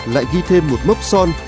lại ghi thêm một mốc son